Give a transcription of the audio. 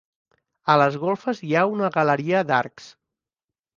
A les golfes hi ha una galeria d'arcs.